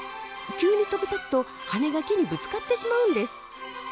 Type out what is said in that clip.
急に飛び立つと羽が木にぶつかってしまうんです。